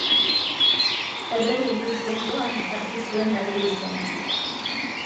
Errege bihurtu ondoan hartu zuen Dario izena.